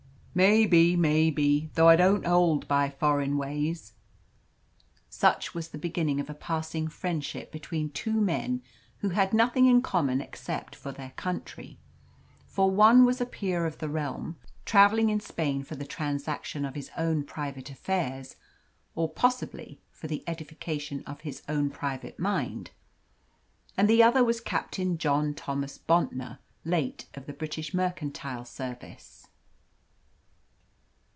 "Maybe, maybe! Though I don't hold by foreign ways." Such was the beginning of a passing friendship between two men who had nothing in common except their country; for one was a peer of the realm, travelling in Spain for the transaction of his own private affairs, or possibly for the edification of his own private mind, and the other was Captain John Thomas Bontnor, late of the British mercantile service.